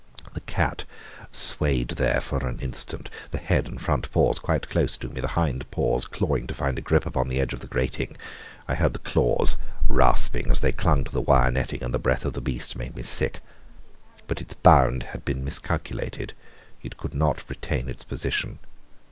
The cat swayed there for an instant, the head and front paws quite close to me, the hind paws clawing to find a grip upon the edge of the grating. I heard the claws rasping as they clung to the wire netting, and the breath of the beast made me sick. But its bound had been miscalculated. It could not retain its position.